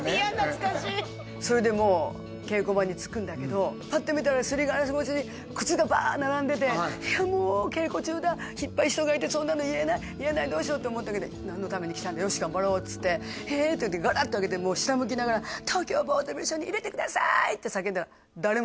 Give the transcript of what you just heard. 懐かしいそれでもう稽古場に着くんだけどパッて見たらすりガラス越しに靴がバーッ並んでていやもう稽古中だいっぱい人がいてそんなの言えない言えないどうしようって思ったけど何のためにきたんだよし頑張ろうっつってえって言ってガラッと開けてもう下向きながらって叫んだらそれ